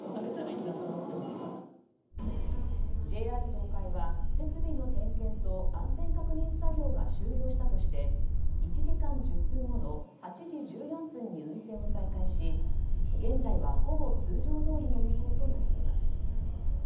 ＪＲ東海は、設備の点検と安全確認作業が終了したとして１時間１０分後の８時１４分に運転を再開し現在はほぼ通常どおりの運行となっています。